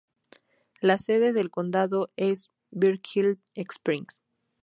La sede del condado es Berkeley Springs.